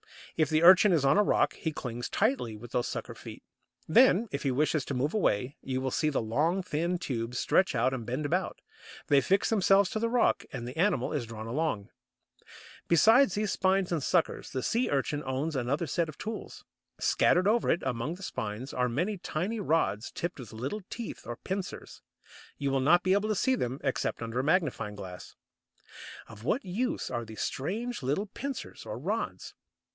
If the Urchin is on a rock he clings tightly with these sucker feet; then, if he wishes to move away, you will see the long thin tubes stretch out and bend about. They fix themselves to the rock, and the animal is drawn along. [Illustration: TEST OR SHELL OF A SEA URCHIN.] Besides these spines and suckers, the Sea urchin owns another set of tools. Scattered over it, among the spines, are many tiny rods tipped with little teeth or pincers. You will not be able to see them, except under a magnifying glass. Of what use are these strange little pincers or rods?